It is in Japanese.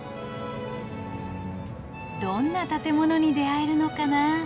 どんな建物に出会えるのかな。